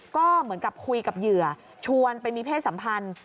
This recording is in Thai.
ก็เหมือนกับคุยกับเหยื่อชวนไปมีเพศสัมพันธ์